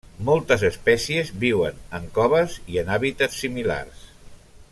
Moltes espècies viuen en coves i en hàbitats similars.